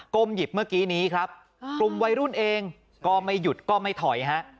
หยิบเมื่อกี้นี้ครับกลุ่มวัยรุ่นเองก็ไม่หยุดก็ไม่ถอยฮะ